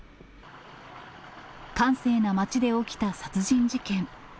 閑静な町で起きた殺人事件。